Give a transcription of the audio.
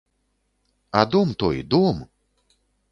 А дом той, дом!